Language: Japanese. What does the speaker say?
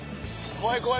怖い怖い。